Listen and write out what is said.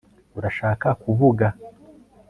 urashaka kuvuga